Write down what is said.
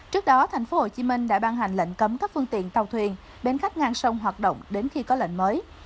trước đó tp hcm đã ban hành lệnh cấm các phương tiện tàu thuyền bến khách ngang sông hoạt động đến khi có lệnh mới